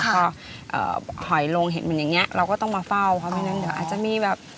พอหอยลงเห็นเป็นอย่างนี้เราก็ต้องมาเฝ้าเพราะไม่งั้นเดี๋ยวอาจจะมีแบบ